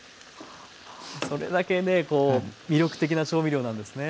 それだけねこう魅力的な調味料なんですね。